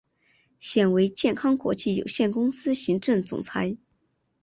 现为健康国际有限公司行政总裁。